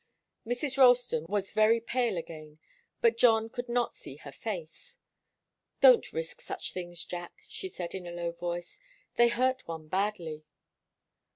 Mrs. Ralston was very pale again, but John could not see her face. "Don't risk such things, Jack," she said, in a low voice. "They hurt one badly."